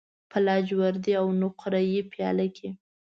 په لاجوردی او نقره یې پیاله کې